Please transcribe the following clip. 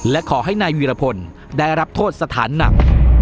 และขอให้นายวีรพลได้รับโทษสถานหนัก